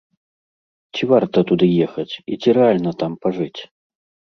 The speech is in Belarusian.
Ці варта туды ехаць і ці рэальна там пажыць?